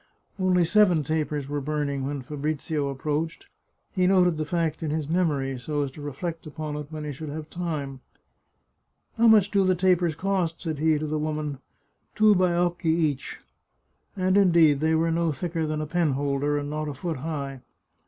Only seven tapers were burning when Fabrizio ap proached. He noted the fact in his memory, so as to re flect on it when he should have time. " How much do the tapers cost ?" said he to the woman. " Two haiocchi each." And, indeed, they were no thicker than a penholder, and not a foot high.